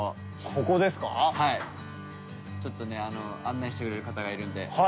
ちょっと案内してくれる方がいるんで。